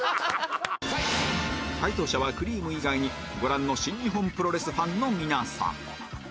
解答者はくりぃむ以外にご覧の新日本プロレスファンの皆さん